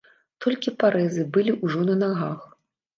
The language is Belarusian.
Толькі парэзы былі ўжо на нагах.